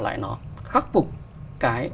lại nó khắc phục cái